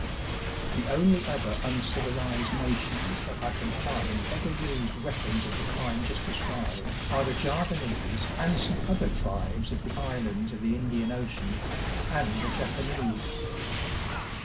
The only other tmcivilised nations that I can find ever used weapons of the kind just described are the Javanese and some other tribes of the islands of the Indian Ocean, and the Japanese.